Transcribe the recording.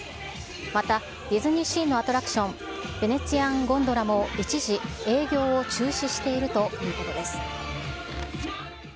また、ディズニーシーのアトラクション、ベネチアンゴンドラも一時営業を中止しているということです。